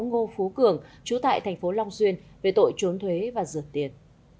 ông ngô phú cường trú tại thành phố long xuyên về tội trốn thuế và dượt tiền